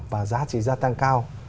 và giá trị gia tăng cao